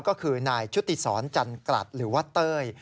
ก็คือนายชุติศรจันกลัดหรือว่าเต้ย